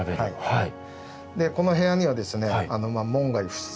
はい。